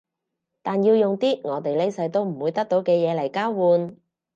但要用啲我哋呢世都唔會得到嘅嘢嚟交換